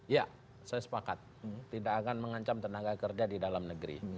ya saya sepakat tidak akan mengancam tenaga kerja di dalam negeri